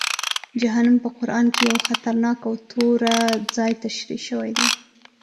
جهنم په قرآن کې یو خطرناک او توره ځای تشریح شوی دی.